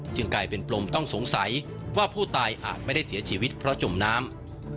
กลายเป็นปลมต้องสงสัยว่าผู้ตายอาจไม่ได้เสียชีวิตเพราะจมน้ำ